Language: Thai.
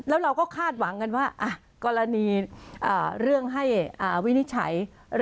แล้วเราก็คาดหวังกันว่ากรณีเรื่องให้วินิจฉัย